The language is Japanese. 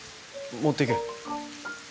持ってけ。